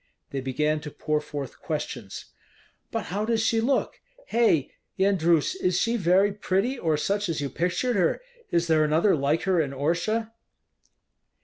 They began to pour forth questions: "But how does she look? Hei! Yendrus, is she very pretty, or such as you pictured her? Is there another like her in Orsha?"